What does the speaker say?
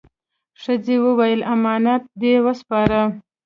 ښځه وویل: «امانت دې وسپاره؟»